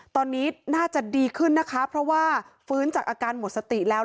ตอนนี้น่าจะดีขึ้นนะคะเพราะว่าฟื้นจากอาการหมดสติแล้ว